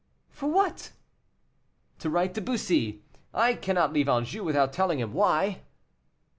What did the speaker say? "For what?" "To write to Bussy; I cannot leave Anjou without telling him why."